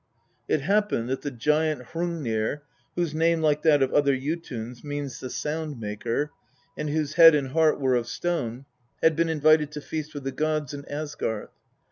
It happened that the giant Hrungnir, whose name, like that of other Jotuns, means the Sound maker, and whose head and heart were of stone, had been invited to feast with the gods in Asgarth.